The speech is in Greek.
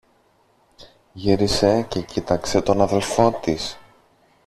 Γύρισε και κοίταξε τον αδελφό της.